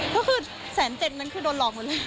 ก็คือแสนเจ็ดนั้นคือโดนหลอกมันเลย